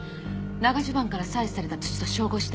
長襦袢から採取された土と照合して。